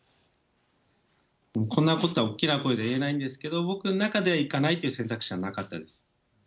こんなことは大きな声では言えないんですけど、僕の中では行かないという選択肢はなかったです。